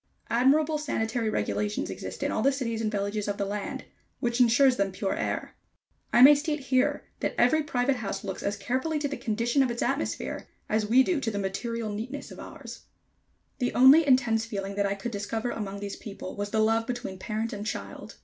Admirable sanitary regulations exist in all the cities and villages of the land, which insures them pure air. I may state here that every private house looks as carefully to the condition of its atmosphere, as we do to the material neatness of ours. The only intense feeling that I could discover among these people was the love between parent and child.